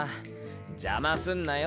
邪魔すんなよ